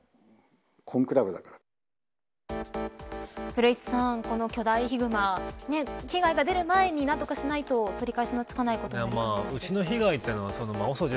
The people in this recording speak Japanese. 古市さん、この巨大ヒグマ被害が出る前に何とかしないと取り返しのつかないことに。